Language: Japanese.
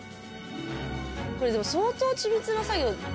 これでも相当緻密な作業ですよね。